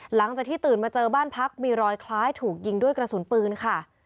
ตื่นมาเจอบ้านพักมีรอยคล้ายถูกยิงด้วยกระสุนปืนค่ะ